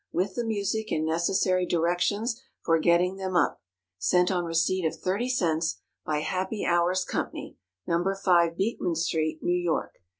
With the Music and necessary directions for getting them up. Sent on receipt of 30 cents, by HAPPY HOURS COMPANY, No. 5 Beekman Street, New York.